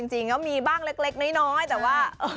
จริงก็มีบ้างเล็กน้อยแต่ว่า